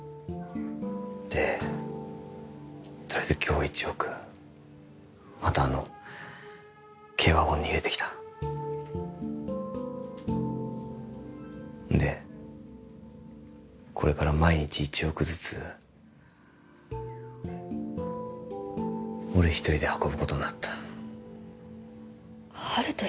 でとりあえず今日１億またあの軽ワゴンに入れてきたでこれから毎日１億ずつ俺一人で運ぶことになった温人